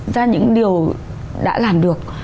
ra những điều đã làm được